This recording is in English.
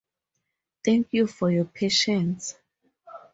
Thank you for your patience.